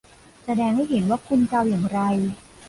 แสดงให้เห็นว่าคุณเกาอย่างไร